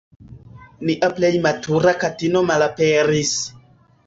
"Nia plej matura katino malaperis.